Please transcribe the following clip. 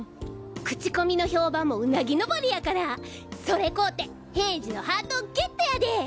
口コミの評判もうなぎのぼりやからそれ買うて平次のハートＧＥＴやで。